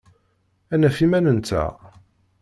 Ad naf iman-nteɣ.